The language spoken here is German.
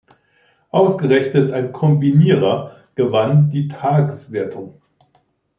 Ausgerechnet ein Kombinierer gewann die Tageswertung.